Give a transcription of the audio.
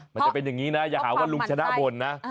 มันจะเป็นอย่างนี้นะอย่าหาว่าลุงชนะบ่นนะ